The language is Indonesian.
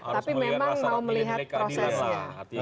tapi memang mau melihat prosesnya